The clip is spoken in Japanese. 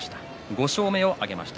５勝目を挙げました。